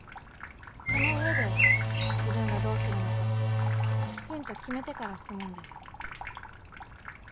その上で自分がどうするのかきちんと決めてから進むんです。